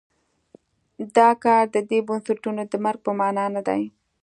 دا کار د دې بنسټونو د مرګ په معنا نه دی.